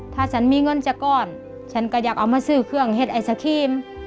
ถ้าฉันมีเงินจากก้อนฉันก็อยากเอามาซื้อเครื่องเห็ดไอศครีม